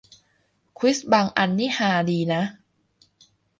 ควิซบางอันนี่ฮาดีนะ